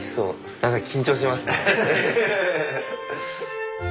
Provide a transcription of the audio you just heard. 何か緊張しますね。